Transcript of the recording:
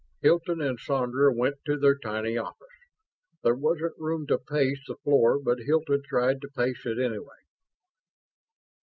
Hilton and Sandra went to their tiny office. There wasn't room to pace the floor, but Hilton tried to pace it anyway.